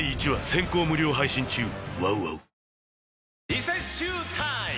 リセッシュータイム！